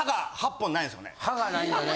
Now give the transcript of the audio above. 歯がないんよね？